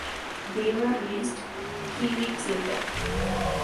They were released three weeks later.